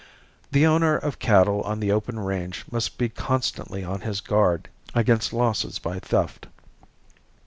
The owner of cattle on the open range must be constantly on his guard against losses by theft.